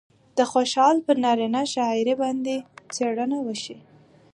د خوشال پر نارينه شاعرۍ باندې څېړنه وشي